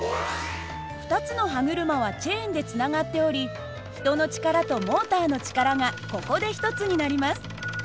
２つの歯車はチェーンでつながっており人の力とモーターの力がここで一つになります。